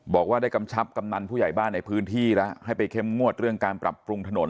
บอกว่าได้กำชับกำนันผู้ใหญ่บ้านในพื้นที่แล้วให้ไปเข้มงวดเรื่องการปรับปรุงถนน